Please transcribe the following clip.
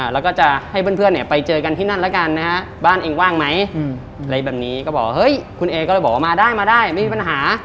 แล้วก็จะให้เพื่อนเนี่ยไปเจอกันที่นั่นแล้วกันนะฮะบ้านเองว่างไหมอะไรแบบนี้ก็บอกเฮ้ยคุณเอก็เลยบอกว่ามาได้มาได้ไม่มีปัญหา